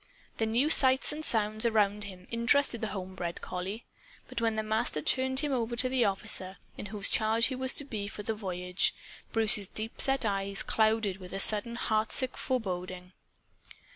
The new sights and sounds around him interested the home bred collie. But when the Master turned him over to the officer in whose charge he was to be for the voyage, Bruce's deep set eyes clouded with a sudden heartsick foreboding.